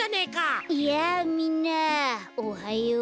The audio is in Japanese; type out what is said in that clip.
やあみんなおはよう。